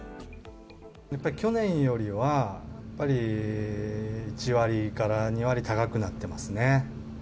やっぱり去年よりは、やっぱり１割から２割高くなっていますね。